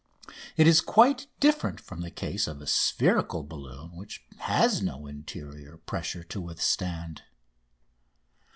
It is quite different from the case of the spherical balloon, which has no interior pressure to withstand.